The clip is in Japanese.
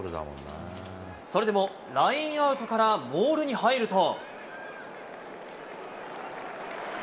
それでもラインアウトからモールに入ると。